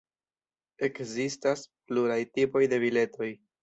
Ekzistas pluraj tipoj de biletoj.